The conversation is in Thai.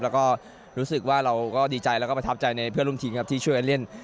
แล้วก็รู้สึกว่าเราก็ดีใจแล้วก็ประทับใจในเพื่อนร่วมทีมครับที่ช่วยกันเล่น